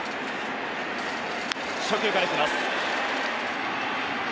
初球からいきます。